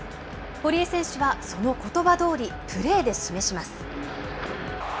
堀江選手はそのことばどおり、プレーで示します。